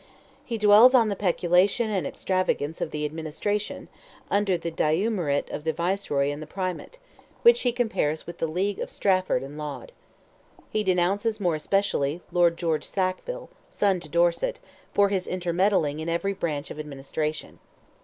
He dwells on the peculation and extravagance of the administration, under "the Duumvirate" of the Viceroy and the Primate, which he compares with the league of Strafford and Laud. He denounces more especially Lord George Sackville, son to Dorset, for his intermeddling in every branch of administration.